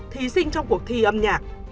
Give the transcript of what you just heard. thí sinh trong cuộc thi âm nhạc